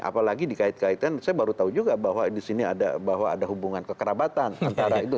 apalagi dikait kaitan saya baru tahu juga bahwa disini ada hubungan kekerabatan antara itu